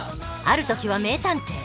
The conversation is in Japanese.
ある時は名探偵。